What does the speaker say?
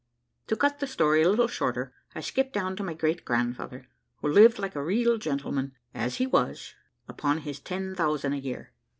To cut the story a little shorter, I skip down to my great grandfather, who lived like a real gentleman, as he was, upon his ten thousand a year.